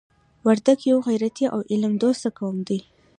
وردګ یو غیرتي او علم دوسته قوم دی.